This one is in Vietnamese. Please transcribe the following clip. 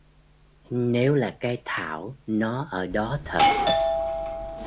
Nếu là Cái Thảo nó ở đó thật